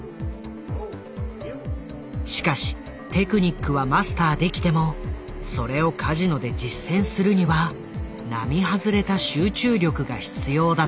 しかしテクニックはマスターできてもそれをカジノで実践するには並外れた集中力が必要だった。